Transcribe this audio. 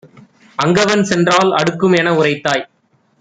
அங்கவன் சென்றால் அடுக்கும் எனஉரைத்தாய்;